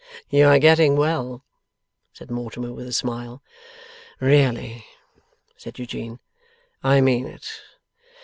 'You are getting well,' said Mortimer, with a smile. 'Really,' said Eugene, 'I mean it.